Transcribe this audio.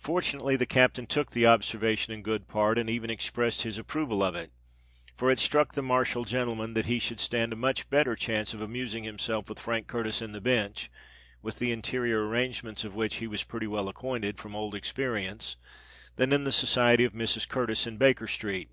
Fortunately the captain took the observation in good part, and even expressed his approval of it; for it struck the martial gentleman that he should stand a much better chance of amusing himself with Frank Curtis in the Bench, with the interior arrangements of which he was pretty well acquainted from old experience, than in the society of Mrs. Curtis in Baker Street.